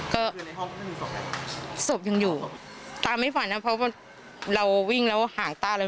ก็สบยังอยู่ตาไม่ฝันนะเพราะว่าเราวิ่งแล้วห่างตาละ